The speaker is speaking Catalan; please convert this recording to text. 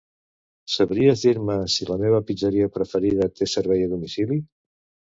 Sabries dir-me si la meva pizzeria preferida té servei a domicili?